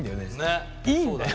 いいんだよ。